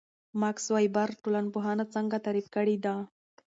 ماکس وِبر ټولنپوهنه څنګه تعریف کړې ده؟